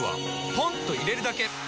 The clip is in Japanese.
ポンと入れるだけ！